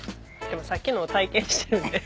でもさっきのを体験してるんで。